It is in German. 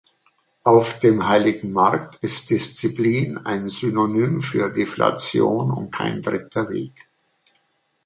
Auf dem heiligen Markt ist Disziplin ein Synonym für Deflation und kein dritter Weg.